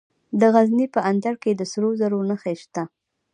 د غزني په اندړ کې د سرو زرو نښې شته.